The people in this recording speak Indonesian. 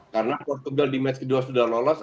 karena portugal di match kedua sudah lolos